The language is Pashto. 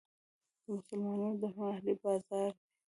د مسلمانانو د محلې بازار دی.